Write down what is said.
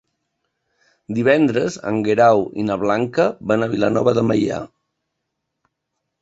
Divendres en Guerau i na Blanca van a Vilanova de Meià.